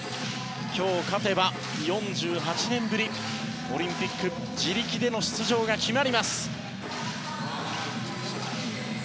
今日、勝てば、４８年ぶりにオリンピック自力での出場が決まります。